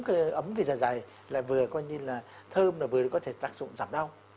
ấm cái dài dài vừa coi như là thơm vừa có thể tác dụng giảm đau